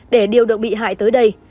để điều được bị hại tới đây